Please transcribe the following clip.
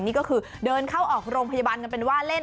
นี่ก็คือเดินเข้าออกโรงพยาบาลกันเป็นว่าเล่น